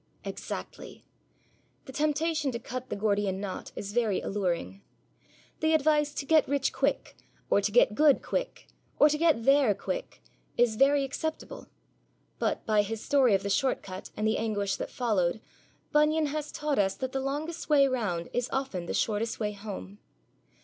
Exactly! The temptation to cut the Gordian knot is very alluring. The advice to get rich quick, or to get good quick, or to get there quick, is very acceptable. But by his story of the short cut, and the anguish that followed, Bunyan has taught us that the longest way round is often the shortest way home.